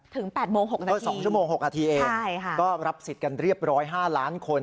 ถึง๘โมง๖นาทีใช่ค่ะรับสิทธิ์กันเรียบร้อย๕ล้านคน